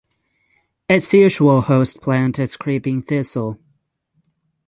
Its usual host plant is creeping thistle.